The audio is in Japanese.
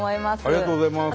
ありがとうございます。